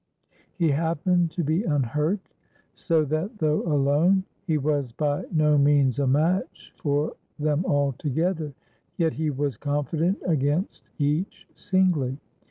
He happened to be unhurt, so that, though alone he was by no means a match for them all together, yet he was confident against each singly.